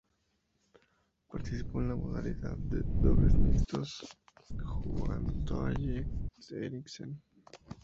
Participó en en la modalidad de Dobles Mixtos junto a Jens Eriksen.